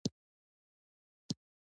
د هغې پروسې مخالفین و